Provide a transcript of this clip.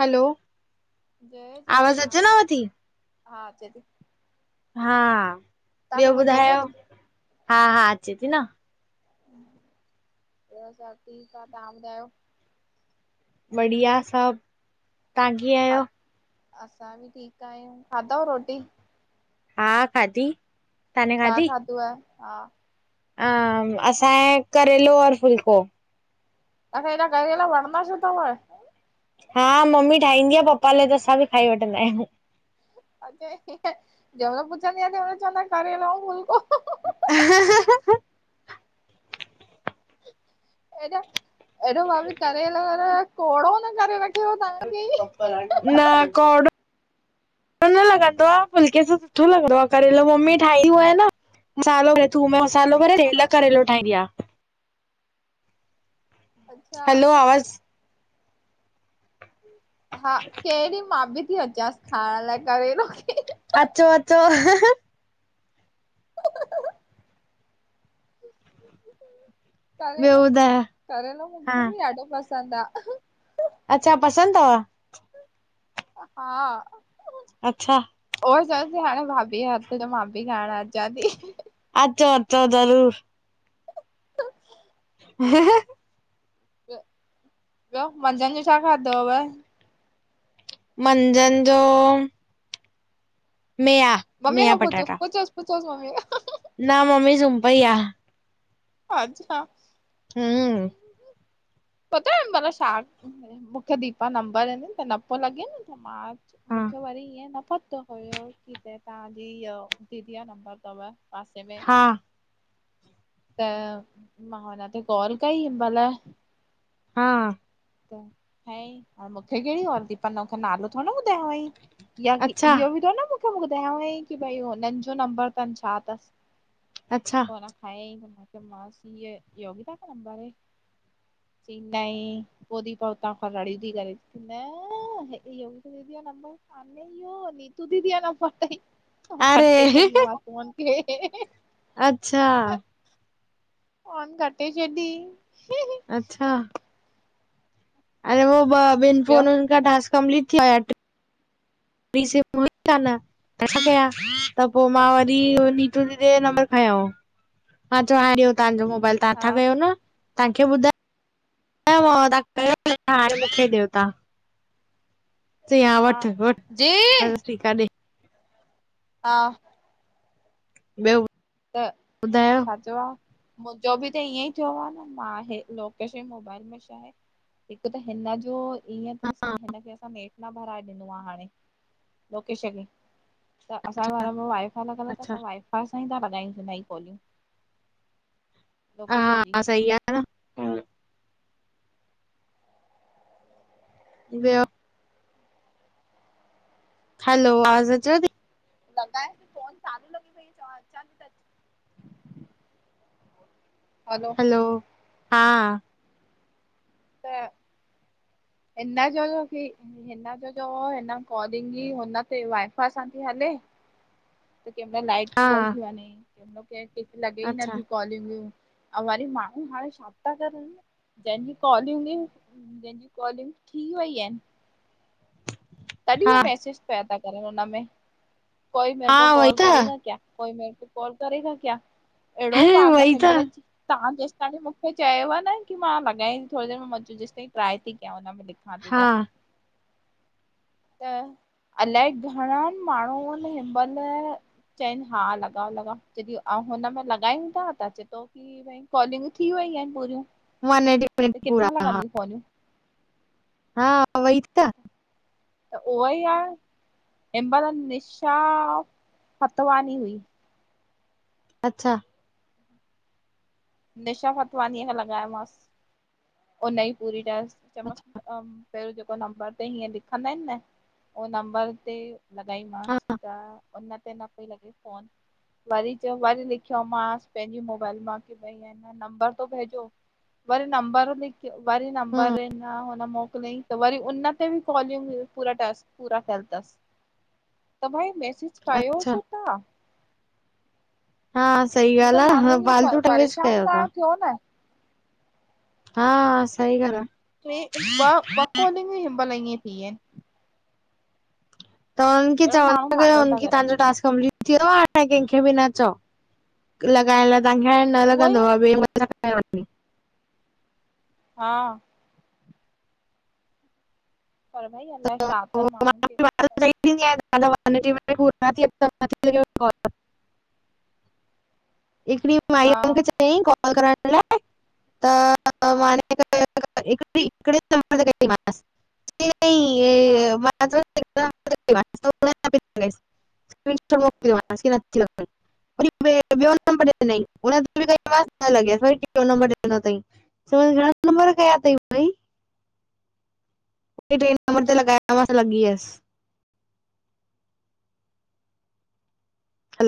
हलो जय आवाज़ झूलेलाल, अचेनव थी? हा अचे ती। हा, ॿियो मुंहिंजी अचेव ॿुधायो? थी हा-हा अचे ती न ॿियो सभु ठीकु आ, तहां ॿुधायो? बढ़िया सभु, तां किअं हा, असां बि ठीकु आहियूं, खाधव रोटी? हा खाधी तव्हां छा ठाधव तहां? अं असांय करेलो और फुल्को। तहां, खे एॾा करेला वणंदा छो तव्ह? हा मम्मी ठाहींदी आ पपा लाइ, त असां बि खाई वठंदा आहियूं। अच्छा ठीकु आहे, जेमल पुछंदिआयां तेमल चवंदा आयो करेलो फुल्को ह ह ह हेॾे आ, ऐॾो भाभी करेलो हर-हर कोड़हो न करे व न कोड़ो न न लॻंदो आ, फुल्के सां सुठो लॻंदो आ करेलो मम्मी ठाहीयो आहे न मसालो भरे थूम में मसालो भरे रेल हा करेलो ठाहींदी आ। हैलो अच्छा आवाज़ हा, कहि ॾिहु मां बि ती अचांसि खाइण लाइ करेलो खी अचो-अचो हि ह ॿियो करेलो, ॿुधायो? करेलो हा, मूंखे बि ॾाढो पसंदि आ। अच्छा पसंदि तव? हा अच्छा उहो ही चवांस ती हाणे भाभी जे हथ जो मां भी खाइण अचां ती अचो-अचो ज़रूर ॿियो, ॿियो मंझंदि जो छा खाधो अव? मंझंनि जो मे आ मम्मी खां पुछोस, पुछोस-पुछोस मम्मी खां। न मम्मी सुम पई आ। अच्छा। हं। पतो हिमाल छा मुखे दीपा नंबरं ॾिनई त न पियो लॻे न त मां हा मुखे वरी ईअं न पतो हुयो कि हे तव्हांजी इअ दीदीअ जो नंबर तव पासे में हा त मां हुन के कॉल कई हिनमाल हा ह ईं अ मूंखे कहिड़ी आरती पनो [unintelligible] नालो थोड़ न ॿुधायईं। या कि अच्छा इहो बि थोड़ न ॿु [unintelligible] सभु मूंखे ॿुधायईं कि भई हुननि जो नंबर तन छा तस? अच्छा कोन खयईं मांसि ये, योगिता का नंबर है? [unintelligible] जी, नई [unintelligible] पो दीपा उतां खां रड़ियूं ती करे नअ इओ दीदीय जो नंबर कान अरे इयो नीतू दीदीअ जो नंबर तयी, मां अरे कटे छॾी मांसि फोन खे अच्छा फोन कटे छॾी हीं अच्छा अरे हो ॿ, ॿिनि ॿियो फोनुनि खां टास्क कंप्लीट थीया ॿी सिमु हुई कान् त छा कयां त पोइ मां अच्छा वरी मुहिजे ॾेर जो नंबर खयों। मां चयो हाण दियो तव्हां मोबाइल तव्हां हा नथा कयो न? तव्हांखे ॿुधायोे मूंखे ॾियो तव्हां [unintelligible] चयईं हा वठु- वठु जी मां चयो ठीकु आहे ॾे। हा ॿियो त, ॿुधायो? छा चवां? मुंहिंजो बि त इअं ई थियो आह न मां बि लोकेश जे मोबाइल में छा आहे? हिकु त हिन जो ईअं अथसि कि हिनखे असां नेट न भराए ॾिनो आहे हाणे। लोकेश खे। त असांजे घर में वाई-फाई लॻलु आहे त अच्छा। असां वाई-फाई सां ई था लॻायूं नईं कोलियूं। लोकेश जी। सई आहे न? वियो हलो आवाज़ु अचेव थी। लॻाइस फ़ोनु चालू लॻी पई अथव अचां थी त [unintelligible] हलो दु हा [unintelligible] त, हिन जो हुयो कि हिन जो जो हिन कॉलिंग जी ई हुन ते वाई-फाई सां थी हले। त कहिं मइल लाइट थी हा गुल थी वञें त कंहिं मईल लॻे ई अच्छा। नथी कोॉलिंग। ऐं वरी माण्हू हाणे छा था करनि जंहिंजी कॉलिंग बि जंहिंजी कॉलिंग थी वई आहिनि। तॾहिं हा हो मैसेज पिया था करनि हिन में। कोई मेरे हा को वई कॉल त करेेगा क्या? कोई मेरेको कॉल करेेगा क्या? अहिड़ो पाॻल वई त हिनमल च [unintelligible] तवां जेसीं ताणी मूंखे चयव न की मां लॻायईं थी थोड़ी देरि में, मां चयो जेसि ताईं ट्राई थी कयां हुन में [unintelligible] हा ठीकु आहे त अलाए घणा माण्हू अईन हिन में चईन हा लॻाए- लॻाए। जॾहिं अऊं हुनमें लगायूं था त चए थो कि कॉलिंगू थी वई आहिनि पूरियूं वन एटी मिनट त पूरा किथां हा लॻंदियूं फोनियूं? हा उहोई त। त उहोई आहे। हिन बारु निशा फ़तवानी हुई। अच्छा निशा फतवानी खे लॻायो मास उ नई पूरी टास्क चयो मास अच्छा पहिरियों जेको नंबर ते हीअं लिखंदा आहिनि न, उह नंबर ते हा लॻाईमांसि त उन ते न पई लॻे फोन, वरी चयो वरी लिखियो मासि पंहिंजी मोबाइल मां कि भई इ नंबर तो भेजो वरी नंबर लिख वरी नंबर हम्म न हुन मोकिलियई। त वरी उन ते बि कॉलिंग पूरा टास्क पूरा कयल अथसि त भई- [unintelligible] कयो अच्छा छो था। हा सही इअ त ॻाल्हि आहे हा, माण्हूनि खे फालतू टाइम वेस्ट परेशान कयो था। करण थियो न? हा सही गाल् आ। टे ॿॅ ब कॉलिंगूं हिन महिल ईअं थीहिनि। त हुननि खे अहिड़ो माण्हू चवंदा पागल कयोनि, था कि करनि तव्हांजो टास्क कंपलीट थियो आहे हाणे कंहिंखे बि न चओ। लॻाइण लाइ तव्हांखे हाणे न उहो ई लॻंदो बेमतलब लगाए वरतई। हा पर भइ अलाए शा तन माण्हुनि खे? [unintelligible] हिककड़ी हा माईअ मूंखे च कॉल करण लाइ त हा [unintelligible] [unintelligible] हा [unintelligible] [unintelligible] बयो नमबर ॾिनई, हुनते बि कयो मास न लगियस, वरी ट्रियो ॾिनो तई। चव, घणा नंबर कया अथई भई? ट्रे नंबर ते लॻाया त लॻी वयसि।